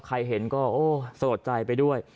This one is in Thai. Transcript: เห็นก็โอ้สะลดใจไปด้วย